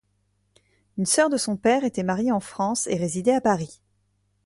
Une sœur de son père était mariée en France et résidait à Paris.